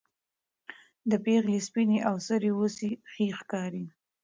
د پېغلې سپينې او سرې وڅې ښې ښکاري